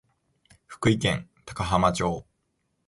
福井県高浜町